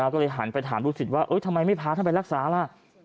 ก็เลยหันไปถามลูกศิษย์ว่าทำไมไม่พาท่านไปรักษาล่ะ